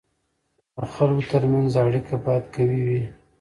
د خلکو ترمنځ اړیکه باید قوي وي.